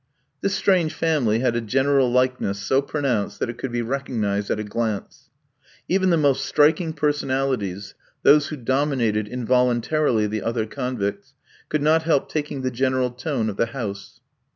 This strange family had a general likeness so pronounced that it could be recognised at a glance. Even the most striking personalities, those who dominated involuntarily the other convicts, could not help taking the general tone of the house.